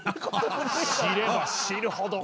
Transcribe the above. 知れば知るほど。